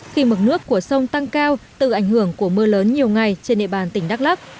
khi mực nước của sông tăng cao từ ảnh hưởng của mưa lớn nhiều ngày trên địa bàn tỉnh đắk lắc